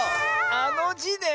あの「じ」ね。